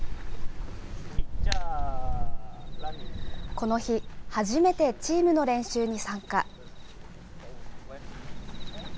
この日、初めてチームの練習に参加。